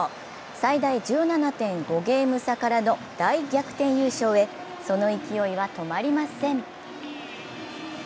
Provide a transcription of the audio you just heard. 最大１７．５ゲーム差からの大逆転優勝へ、その勢いは止まりません。